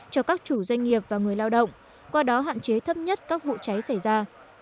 cho các chủ doanh nghiệp và người lao động qua đó hạn chế thấp nhất các vụ cháy xảy ra